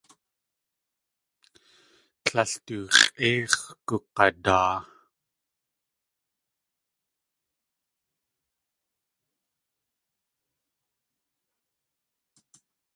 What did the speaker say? Tlél du x̲ʼéix̲ gug̲adaa.